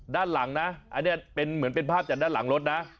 ด้านหลังนะอันนี้เป็นเหมือนเป็นภาพจากด้านหลังรถนะ